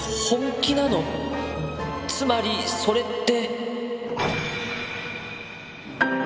つまりそれって？